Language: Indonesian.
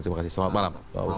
terima kasih selamat malam